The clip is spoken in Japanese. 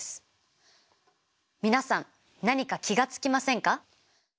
皆さん何か気が付きませんか？